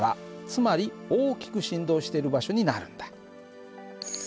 つまり大きく振動してる場所になるんだ。